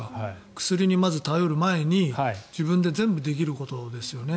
薬にまず頼る前に自分で全部できることですよね。